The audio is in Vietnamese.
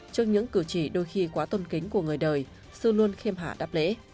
trước những cử chỉ đôi khi quá tôn kính của người đời sư luôn khiêm hả đáp lễ